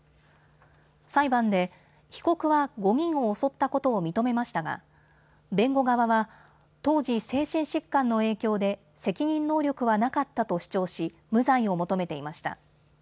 裁判で被告は５人を襲ったことを認めましたが弁護側は当時、精神疾患の影響で責任能力はなかったと主張し無罪を求めていました。